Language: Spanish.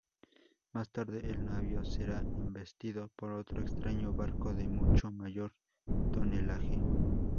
Más tarde el navío será embestido por otro extraño barco de mucho mayor tonelaje.